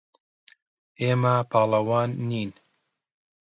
ئێمە پاڵەوان نین.